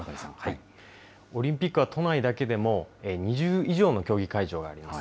オリンピックは都内だけでも２０以上の競技会場があります。